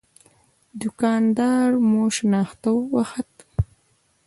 دوکان دار مو شناخته وخت.